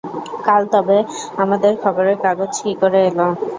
কাল তবে আমাদের খবরের কাগজ কি করে এলো?